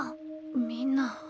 みんな。